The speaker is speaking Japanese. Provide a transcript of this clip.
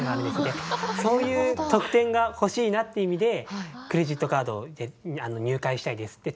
でそういう特典が欲しいなっていう意味でクレジットカード入会したいです。